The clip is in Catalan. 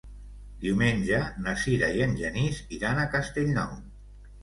Diumenge na Sira i en Genís iran a Castellnou.